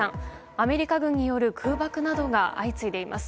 アメリカ軍による空爆などが相次いでいます。